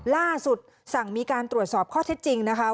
ล่าสุดสั่งมีการตรวจสอบข้อเท็จจริงนะคะ